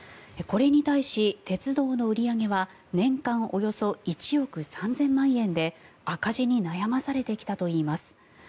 これに対し、鉄道の売り上げは年間およそ１億３０００万円で赤字に悩まされてきたといいます。